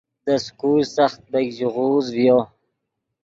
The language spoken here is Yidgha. دے سکول سخت بیګ ژیغوز ڤیو